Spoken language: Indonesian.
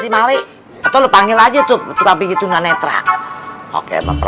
paku paku dicabutin dong